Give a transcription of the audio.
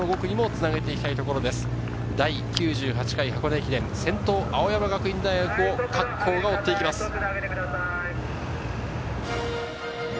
第９８回箱根駅伝、先頭、青山学院大学を各校が追っていきます。